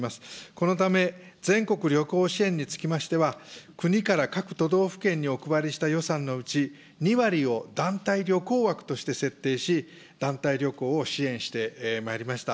このため、全国旅行支援につきましては、国から各都道府県にお配りした予算のうち、２割を団体旅行枠として設定し、団体旅行を支援してまいりました。